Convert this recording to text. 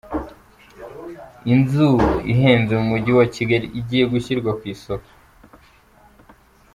Inzu ihenze mumujyi wa Kigali igiye gushyirwa ku isoko